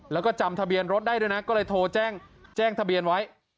แล้วก็จำทะเบียนรถได้ด้วยนะก็เลยโทรแจ้งทะเบียนไว้